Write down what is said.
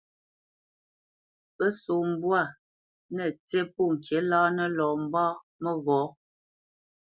Pə́ só mbwâ nə̂ tsí pô ŋkǐ láánə lɔ mbá məghɔ̌.